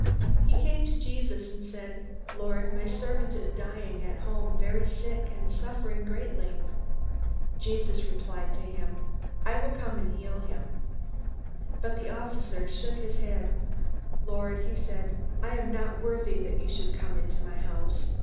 He came to Jesus, and said, "Lord, my servant is lying at home, very sick and suffering greatly." Jesus replied at once, "I will come and heal him." But the officer shook his head. "Lord," he said, "I am not worthy that you should come into my house.